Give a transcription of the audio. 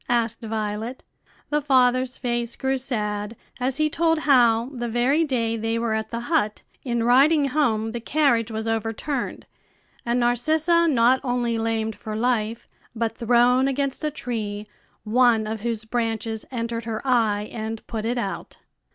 asked Violet. The father's face grew sad as he told how, the very day they were at the hut, in riding home the carriage was overturned, and Narcissa not only lamed for life, but thrown against a tree, one of whose branches entered her eye and put it out.